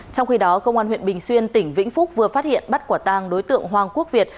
trong khi đó công an huyện bình xuyên tỉnh vĩnh phúc vừa phát hiện bắt quả tang đối tượng hoàng quốc việt